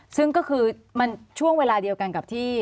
ซึ่งก็คือมันช่วงเวลาเดียวกันกับที่